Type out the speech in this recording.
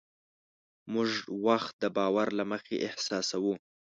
موږ وخت د باور له مخې احساسوو.